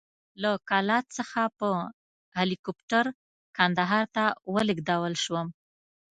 له کلات څخه په هلیکوپټر کندهار ته ولېږدول شوم.